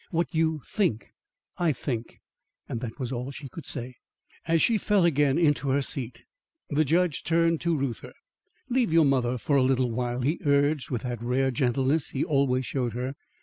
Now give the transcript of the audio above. What you think, I think." And that was all she could say. As she fell again into her seat, the judge turned to Reuther: "Leave your mother for a little while," he urged with that rare gentleness he always showed her.